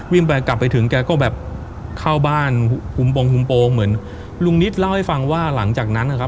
หุ่มโปรงเหมือนลุงนิดเล่าให้ฟังว่าหลังจากนั้นนะครับ